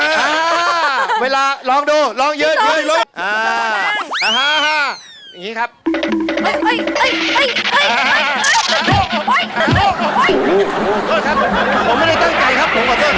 ผมไม่ได้ตั้งใจครับผมขอเจ้าครับ